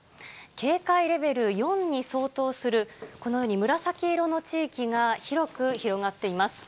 警戒レベル４に相当する、このように紫色の地域が広く広がっています。